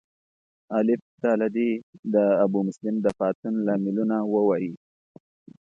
الف ډله دې د ابومسلم د پاڅون لاملونه ووایي.